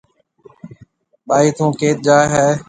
ٻائِي ٿُون ڪيٿ جائي هيَ۔